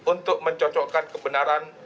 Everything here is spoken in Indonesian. untuk mencocokkan kebenaran